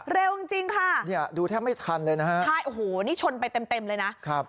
เร็วจริงจริงค่ะเนี่ยดูแทบไม่ทันเลยนะฮะใช่โอ้โหนี่ชนไปเต็มเต็มเลยนะครับ